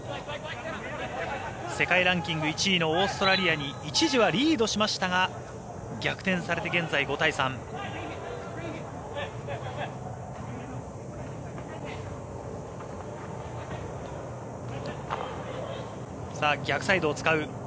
世界ランキング１位のオーストラリアに一時はリードしましたが逆転されて現在、５対３。逆サイドを使う。